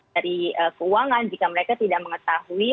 dari keuangan jika mereka tidak mengetahui